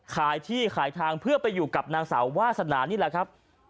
ขายที่ขายทางเพื่อไปอยู่กับนางสาววาสนานี่แหละครับ